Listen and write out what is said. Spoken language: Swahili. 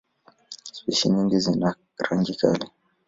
Spishi nyingi zina rangi kali.